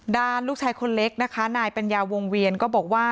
ลูกชายคนเล็กนะคะนายปัญญาวงเวียนก็บอกว่า